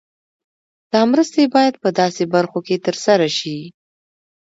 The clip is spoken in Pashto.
دا مرستې باید په داسې برخو کې تر سره شي.